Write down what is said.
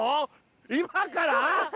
今から？